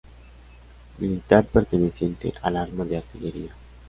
Militar perteneciente al arma de artillería.